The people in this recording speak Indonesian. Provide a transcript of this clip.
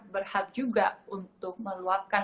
berhak juga untuk meluapkan